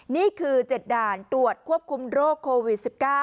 นี่คือ๗ด่านตรวจควบคุมโรคโควิด๑๙